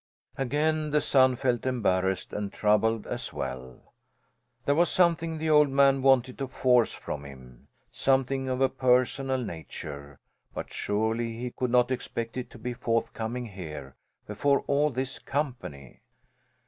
Again the son felt embarrassed, and troubled as well. There was something the old man wanted to force from him something of a personal nature; but surely he could not expect it to be forthcoming here, before all this company?